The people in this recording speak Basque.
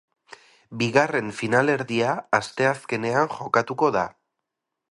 Bigarren finalerdia asteazkenean jokatuko da.